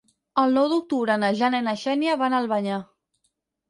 El nou d'octubre na Jana i na Xènia van a Albanyà.